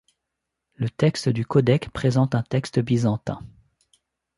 Le texte du codex représente un texte byzantin.